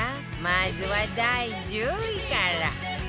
まずは第１０位から